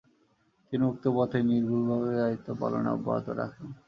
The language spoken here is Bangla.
তিনি উক্ত পদে নির্ভুলভাবে দায়িত্ব পালন অব্যাহত রাখেন।